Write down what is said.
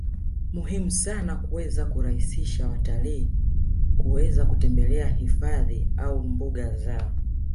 muhimu sana kuweza kurahisisha watalii kuweza kutembele hifadhi au mbuga za